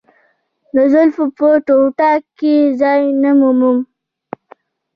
د زلفو په ټوټه کې ځای نه مومم.